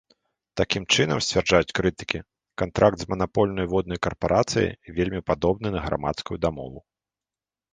Такім чынам, сцвярджаюць крытыкі, кантракт з манапольнай воднай карпарацыяй вельмі падобны на грамадскую дамову.